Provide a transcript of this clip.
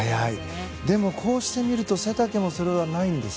速い、でもこうしてみると背丈もそれほどないです